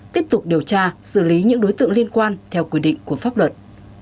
tiếp tục điều tra xử lý những đối tượng liên quan theo quy định của pháp luật